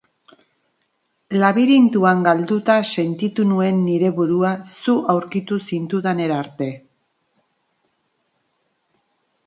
Labirintoan galduta sentitu nuen nire burua zu aurkitu zintudanera arte.